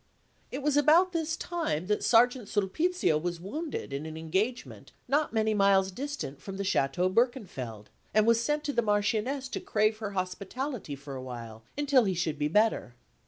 It was about this time that Sergeant Sulpizio was wounded in an engagement not many miles distant from the Château Berkenfeld, and was sent to the Marchioness to crave her hospitality for awhile until he should be better.